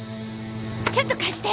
ちょっと貸して！